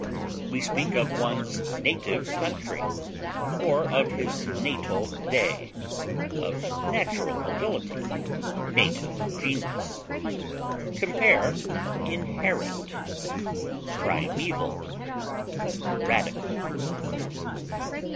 We speak of one's native country, or of his natal day; of natural ability, native genius. Compare INHERENT; PRIMEVAL; RADICAL.